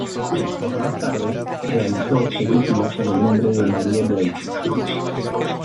Más tarde, realizó películas con el nombre de Marie Blake.